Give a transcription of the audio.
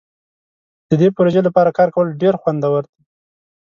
د دې پروژې لپاره کار کول ډیر خوندور دي.